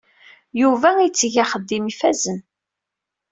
Yuba itteg axeddim ifazen.